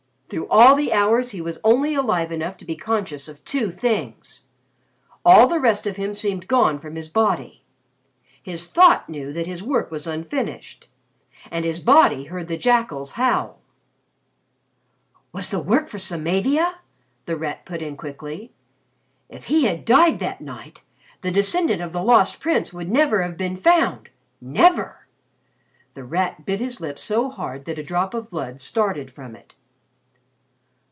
Through all the hours he was only alive enough to be conscious of two things all the rest of him seemed gone from his body: his thought knew that his work was unfinished and his body heard the jackals howl!" "Was the work for Samavia?" The Rat put in quickly. "If he had died that night, the descendant of the Lost Prince never would have been found never!" The Rat bit his lip so hard that a drop of blood started from it.